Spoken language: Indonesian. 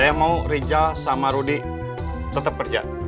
saya mau riza sama rudi tetep kerja